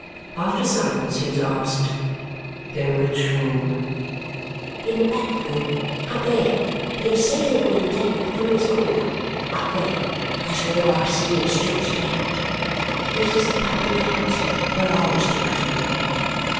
After a silence he is asked, "In which room?" "In the back room up there. You can see the winder from this corner. Up there! That's where I see him stritched out. This is the public ouse where I was took to."